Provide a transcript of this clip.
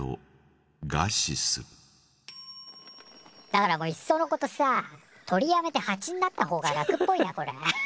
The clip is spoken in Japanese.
だからいっそうのことさ鳥やめてハチになったほうが楽っぽいなこれ。